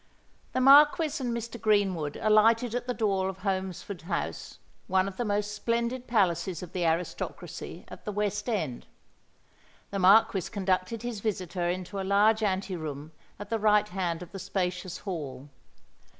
The Marquis and Mr. Greenwood alighted at the door of Holmesford House—one of the most splendid palaces of the aristocracy at the West End. The Marquis conducted his visitor into a large ante room at the right hand of the spacious hall.